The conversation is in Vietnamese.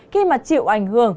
khi mà chịu ảnh hưởng